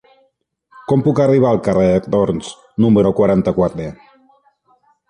Com puc arribar al carrer de Torns número quaranta-quatre?